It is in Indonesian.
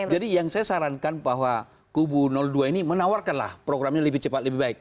jadi yang saya sarankan bahwa kubu dua ini menawarkanlah programnya lebih cepat lebih baik